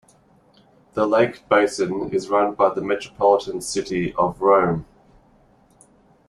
The lake basin is run by the Metropolitan City of Rome.